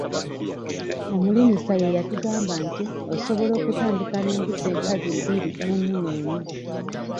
Omulimisa ye yatugamba nti osobola okutandika n'embuzi enkazi bbiri n'ennume emu.